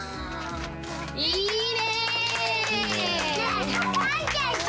いいね！